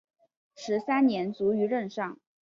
十三年卒于任上。